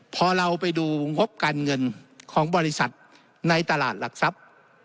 พอเราไปดูงบการเงินของบริษัทในตลาดหลักทรัพย์